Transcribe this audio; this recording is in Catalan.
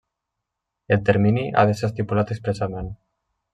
El termini ha de ser estipulat expressament.